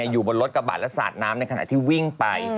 อยู่บนรถกระบาดและสาดน้ำในขณะที่วิ่งไป